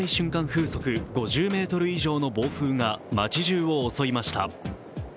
風速５０メートル以上の暴風が町じゅうを襲いました。